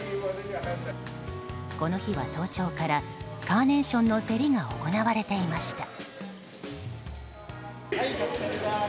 この日は早朝からカーネーションの競りが行われていました。